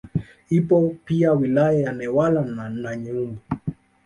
Ipo pia wilaya ya Newala na Nanyumbu